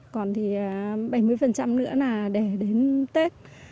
còn thì bảy mươi nữa là để đến tết